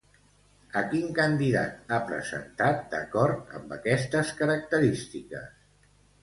A quin candidat ha presentat, d'acord amb aquestes característiques?